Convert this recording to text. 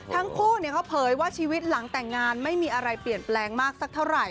ทั้งคู่เขาเผยว่าชีวิตหลังแต่งงานไม่มีอะไรเปลี่ยนแปลงมากสักเท่าไหร่